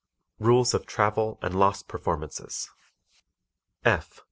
Rules of Travel and Lost Performances F.